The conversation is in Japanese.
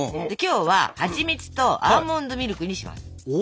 今日ははちみつとアーモンドミルクにします。